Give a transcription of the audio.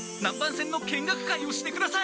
船の見学会をしてくだい。